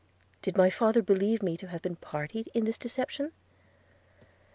'Did my father believe me to have been a party in this deception?'